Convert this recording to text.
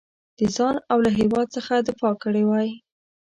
د ځان او له هیواد څخه دفاع کړې وای.